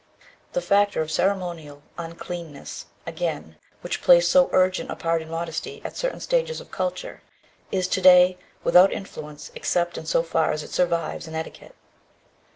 The factor of ceremonial uncleanness, again, which plays so urgent a part in modesty at certain stages of culture, is to day without influence except in so far as it survives in etiquette.